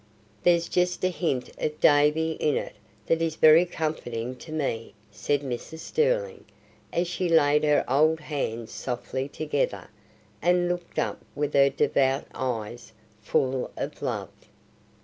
"There's just a hint of Davy in it that is very comforting to me," said Mrs. Sterling, as she laid her old hands softly together, and looked up with her devout eyes full of love.